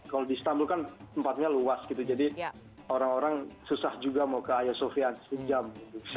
kalau di istanbul kan tempatnya luas gitu jadi orang orang susah juga mau ke haya sofian sejam